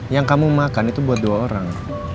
yang kamu makan itu buat dua orang